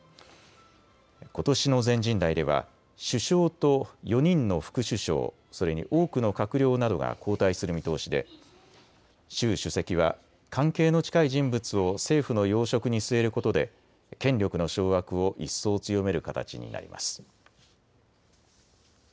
ことしの全人代では首相と４人の副首相、それに多くの閣僚などが交代する見通しで習主席は関係の近い人物を政府の要職に据えることで権力の掌握を一層強める形になります。